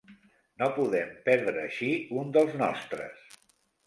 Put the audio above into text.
No podem perdre així un dels nostres.